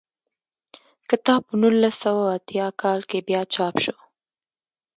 کتاب په نولس سوه اتیا کال کې بیا چاپ شو.